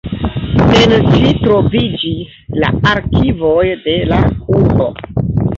En ĝi troviĝis la arkivoj de la urbo.